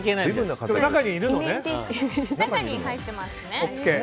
中に入ってますね。